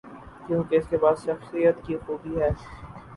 کیونکہ ان کے پاس شخصیت کی خوبی ہے۔